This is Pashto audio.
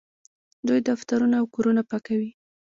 دوی دفترونه او کورونه پاکوي.